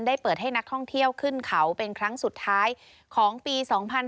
เปิดให้นักท่องเที่ยวขึ้นเขาเป็นครั้งสุดท้ายของปี๒๕๕๙